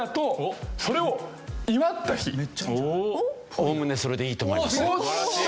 おおむねそれでいいと思いますよ。